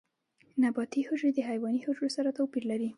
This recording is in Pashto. نباتي حجرې د حیواني حجرو سره توپیر لري